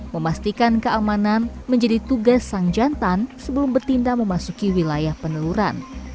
memastikan keamanan menjadi tugas sang jantan sebelum bertindak memasuki wilayah peneluran